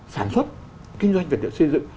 sản xuất kinh doanh vật liệu xây dựng